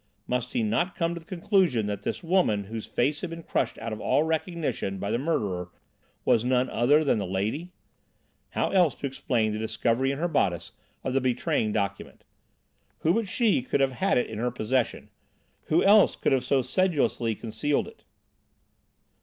Must he not come to the conclusion that this woman whose face had been crushed out of all recognition by the murderer was none other than the lady? How else explain the discovery in her bodice of the betraying document? Who but she could have had it in her possession? Who else could have so sedulously concealed it?